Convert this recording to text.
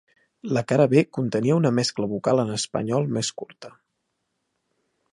La cara B contenia una mescla vocal en espanyol més curta.